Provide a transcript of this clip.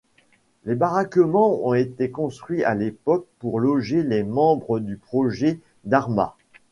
Les baraquements ont été construits à l'époque pour loger les membres du Projet Dharma.